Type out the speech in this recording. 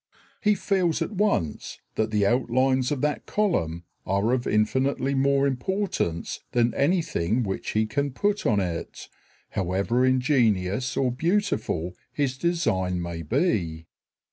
He feels at once that the outlines of that column are of infinitely more importance than anything which he can put on it, however ingenious or beautiful his design may be.